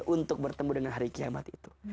untuk bertemu dengan hari kiamat itu